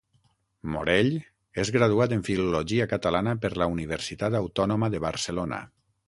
Morell és graduat en Filologia Catalana per la Universitat Autònoma de Barcelona.